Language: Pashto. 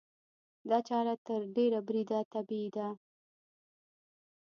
دا چاره تر ډېره بریده طبیعي ده.